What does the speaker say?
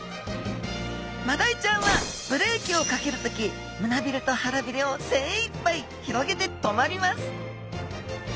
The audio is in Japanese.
マダイちゃんはブレーキをかける時胸びれと腹びれを精いっぱい広げて止まります